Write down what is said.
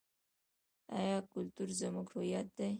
آیا کلتور زموږ هویت دی؟